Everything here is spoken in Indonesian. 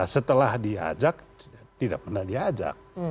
setelah diajak tidak pernah diajak